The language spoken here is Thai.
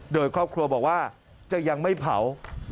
โดยครอบครัวบอกว่าจะยังไม่เผา